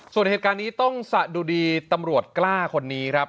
ส่วนเหตุการณ์นี้ต้องสะดุดีตำรวจกล้าคนนี้ครับ